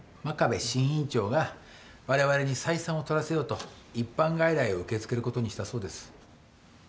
真壁新院長が我々に採算を取らせようと一般外来を受け付けることにしたそうです。